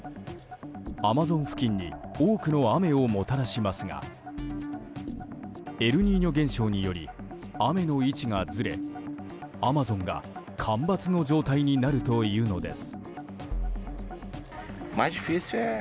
アマゾン付近に多くの雨をもたらしますがエルニーニョ現象により雨の位置がずれアマゾンが干ばつの状態になるというのです。